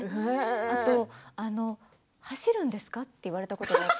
あと走るんですか？って言われたこともあるし。